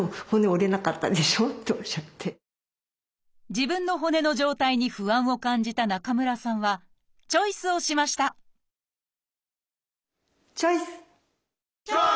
自分の骨の状態に不安を感じた中村さんはチョイスをしましたチョイス！